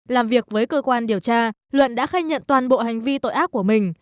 làm việc với cơ quan điều tra luận đã khai nhận toàn bộ hành vi tội ác của mình